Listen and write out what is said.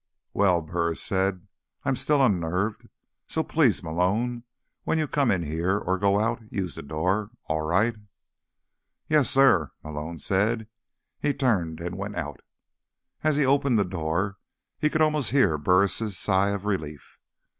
"Well," Burris said, "I'm still unnerved. So please, Malone, when you come in here, or go out, use the door. All right?" "Yes, sir," Malone said. He turned and went out. As he opened the door, he could almost hear Burris' sigh of relief.